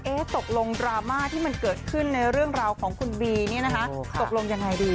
ตกลงดราม่าที่มันเกิดขึ้นในเรื่องราวของคุณบีเนี่ยนะคะตกลงยังไงดี